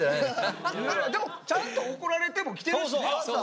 でもちゃんと怒られてもきてるしね。